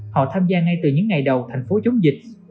họ tham gia ngay từ những ngày đầu thành phố chống dịch